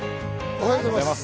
おはようございます。